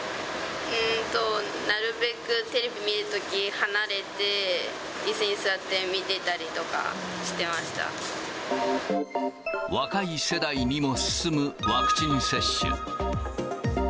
なるべくテレビ見るとき離れていすに座って見てたりとかして若い世代にも進むワクチン接種。